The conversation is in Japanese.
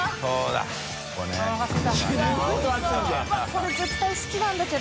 これ絶対好きなんだけど！